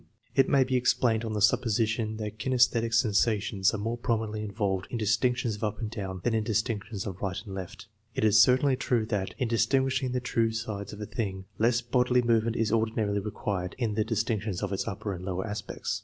It may be explained on the supposition that kinsesthetic sensations are more prominently involved in distinctions of up and down than hi distinctions of right and left. It is certainly true that, in distinguishing the two sides of a thing, less bodily movement is ordinarily required than in distinctions of its upper and lower aspects.